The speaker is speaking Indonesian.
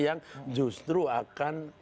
yang justru akan menggabungkan